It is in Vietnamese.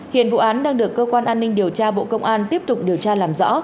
hiện vụ án đang được cơ quan an ninh điều tra bộ công an tiếp tục điều tra làm rõ